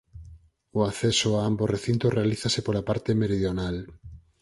O acceso a ambos recintos realízase pola parte meridional.